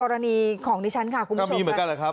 กรณีของดิฉันค่ะคุณผู้ชมครับ